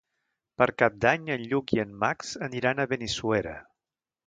Per Cap d'Any en Lluc i en Max aniran a Benissuera.